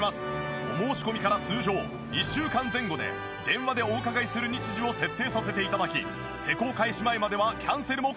お申し込みから通常１週間前後で電話でお伺いする日時を設定させて頂き施工開始前まではキャンセルも可能です。